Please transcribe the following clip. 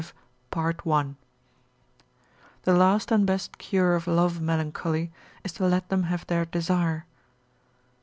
V.—The last and best Cure of Love Melancholy, is to let them have their Desire.